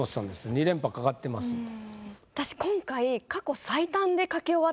２連覇懸かってますんで。